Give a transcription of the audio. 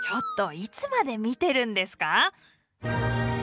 いつまで見てるんですか？